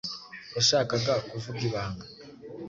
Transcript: Yashakaga kuvuga ibanga.